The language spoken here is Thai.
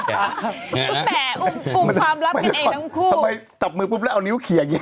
คุณแม่ปุ่มความลับกันเองทั้งคู่ทำไมตับมือปุ๊บแล้วเอานิ้วเขียงอยู่